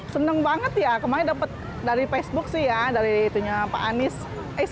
seneng banget ya kemarin dapet dari facebook sih ya dari itunya pak anies